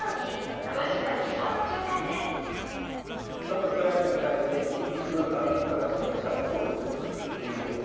ウクライナに対してイギリス、ドイツ、アメリカが戦車を供与するということです。